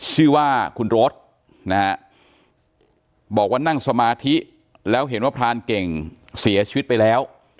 ชื่อว่าคุณโรธนะฮะบอกว่านั่งสมาธิแล้วเห็นว่าพรานเก่งเสียชีวิตไปแล้ว